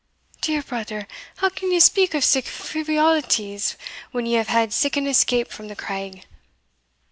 "Dear brother, how can you speak of sic frivolities, when you have had sic an escape from the craig?"